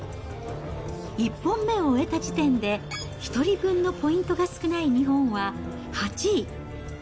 １本目を終えた時点で、１人分のポイントが少ない日本は、８位。